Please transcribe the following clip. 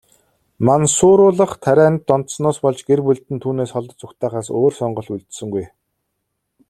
Мансууруулах тарианд донтсоноос болж, гэр бүлд нь түүнээс холдож, зугтаахаас өөр сонголт үлдсэнгүй.